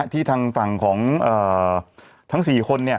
ทางฝั่งของทั้ง๔คน